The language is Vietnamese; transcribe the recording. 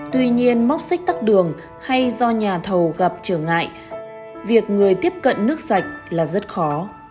tuy nhiên móc xích tắt đường hay do nhà thầu gặp trở ngại việc người tiếp cận nước sạch là rất khó